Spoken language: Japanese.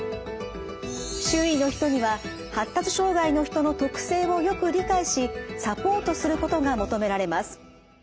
周囲の人には発達障害の人の特性をよく理解しサポートすることが求められます。